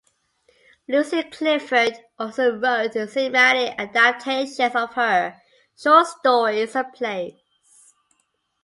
Lucy Clifford also wrote cinematic adaptations of her short stories and plays.